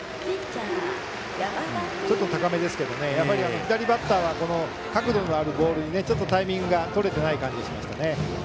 ちょっと高めですけどやはり左バッターはこの角度のあるボールにちょっとタイミングとれてない感じがしましたね。